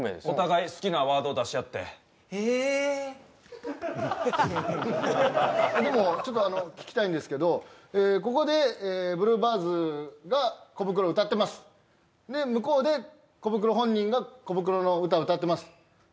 お互い好きなワードを出し合ってへえでもちょっとあの聞きたいんですけどここでブルーバーズがコブクロ歌ってますで向こうでコブクロ本人がコブクロの歌歌ってます